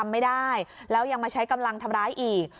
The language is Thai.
ไม่ได้แล้วยังมาใช้กำลังทำร้ายอีก